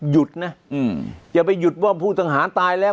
อย่าไปหยุดว่าผู้ต่างหาตายแล้ว